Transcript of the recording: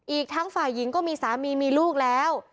อีกทั้งฝ่ายหญิงก็มีสามีมีลูกแล้ว